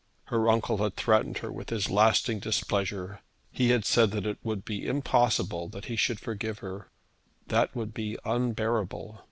Her uncle had threatened her with his lasting displeasure. He had said that it would be impossible that he should forgive her. That would be unbearable!